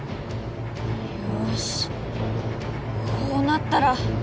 よしこうなったら。